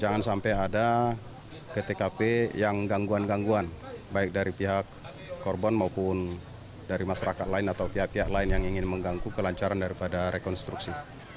jangan sampai ada ke tkp yang gangguan gangguan baik dari pihak korban maupun dari masyarakat lain atau pihak pihak lain yang ingin mengganggu kelancaran daripada rekonstruksi